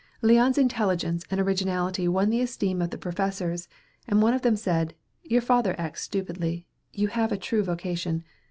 Leon's intelligence and originality won the esteem of the professors, and one of them said, "Your father acts stupidly. You have a true vocation.